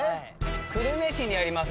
久留米市にあります